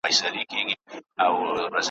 سرهمیش دي په سودادئ، زماقراره ګوندي راسې